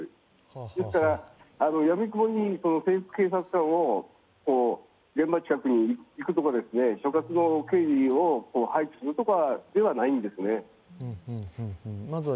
ですからやみくもに警察官を現場近くにいくとかじゃなくて所轄の刑事を配置するとかではないですね。